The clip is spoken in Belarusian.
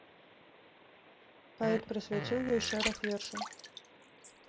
Паэт прысвяціў ёй шэраг вершаў.